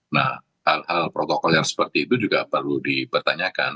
nah hal hal protokol yang seperti itu juga perlu dipertanyakan